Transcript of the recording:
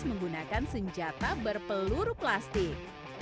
menggunakan senjata berpeluru plastik